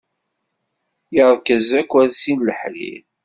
Iṛkez akwerzi n leḥrir.